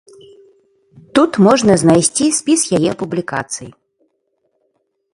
Тут можна знайсці спіс яе публікацый.